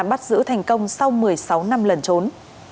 bắt giữ thành công sau một mươi sáu năm lần trốn